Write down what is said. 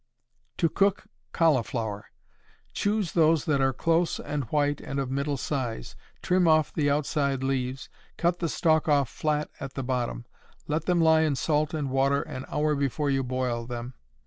To Cook Cauliflower. Choose those that are close and white and of middle size, trim off the outside leaves, cut the stalk off flat at the bottom, let them lie in salt and water an hour before you boil them.